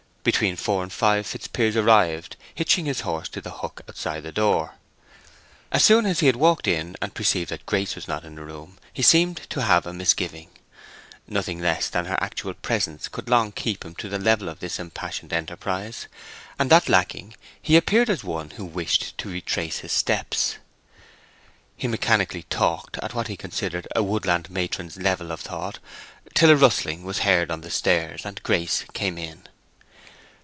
Between four and five Fitzpiers arrived, hitching his horse to the hook outside the door. As soon as he had walked in and perceived that Grace was not in the room, he seemed to have a misgiving. Nothing less than her actual presence could long keep him to the level of this impassioned enterprise, and that lacking he appeared as one who wished to retrace his steps. He mechanically talked at what he considered a woodland matron's level of thought till a rustling was heard on the stairs, and Grace came in.